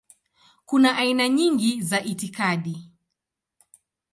Kuna aina nyingi za itikadi.